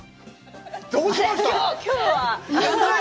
どうしました！？